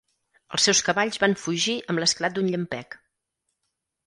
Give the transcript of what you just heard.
Els seus cavalls van fugir amb l'esclat d'un llampec.